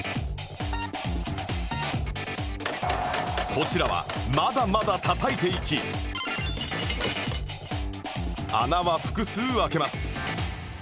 こちらはまだまだたたいていき穴は複数開けます